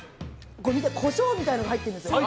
コショウみたいなのが入ってるんですよ。